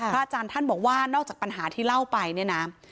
อาจารย์ท่านบอกว่านอกจากปัญหาที่เล่าไปเนี่ยนะ